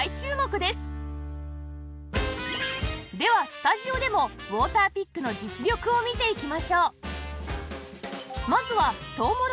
ではスタジオでもウォーターピックの実力を見ていきましょう